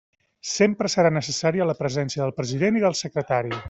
Sempre serà necessària la presència del president i del secretari.